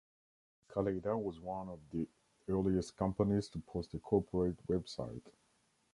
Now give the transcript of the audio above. Kaleida was one of the earliest companies to post a corporate website.